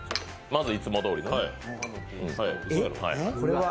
まずいつもどおりの。